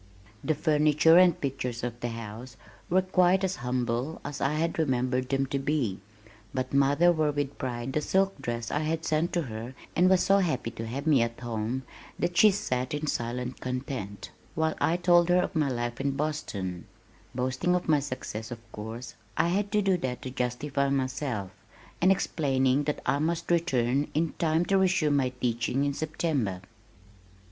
The furniture and pictures of the house were quite as humble as I had remembered them to be, but mother wore with pride the silk dress I had sent to her and was so happy to have me at home that she sat in silent content, while I told her of my life in Boston (boasting of my success of course, I had to do that to justify myself), and explaining that I must return, in time to resume my teaching in September.